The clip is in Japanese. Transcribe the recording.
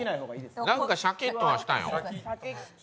何かシャッキとはしたよ。